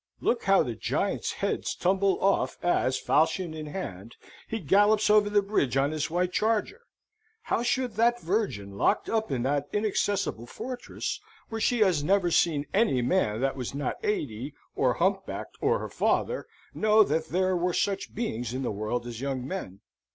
Look! how the giants' heads tumble off as, falchion in hand, he gallops over the bridge on his white charger! How should that virgin, locked up in that inaccessible fortress, where she has never seen any man that was not eighty, or humpbacked, or her father, know that there were such beings in the world as young men?